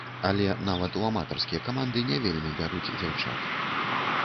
Але нават у аматарскія каманды не вельмі бяруць дзяўчат.